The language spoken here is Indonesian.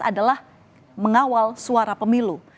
adalah mengawal suara pemilu